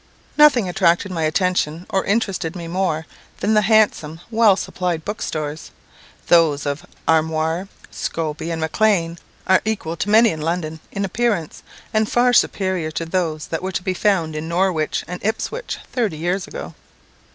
Nothing attracted my attention, or interested me more, than the handsome, well supplied book stores. Those of Armour, Scobie, and Maclean, are equal to many in London in appearance, and far superior to those that were to be found in Norwich and Ipswich thirty years ago.